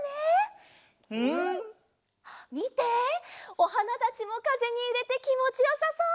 おはなたちもかぜにゆれてきもちよさそう！